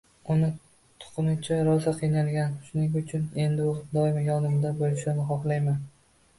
Uni tuqqunimcha rosa qiynalganman, shuning uchun endi u doimo yonimda bo‘lishini xohlayman”.